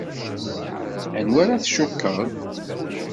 Anwa ara tcukkeḍ?